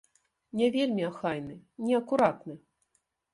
Не вельмі ахайны, неакуратны.